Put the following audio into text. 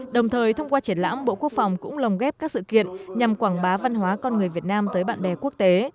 đồng thời thông qua triển lãm bộ quốc phòng cũng lồng ghép các sự kiện nhằm quảng bá văn hóa con người việt nam tới bạn bè quốc tế